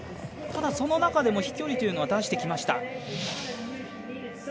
ただその中でも飛距離というのは出してきました。